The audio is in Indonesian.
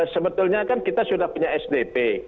sebetulnya kan kita sudah punya sdp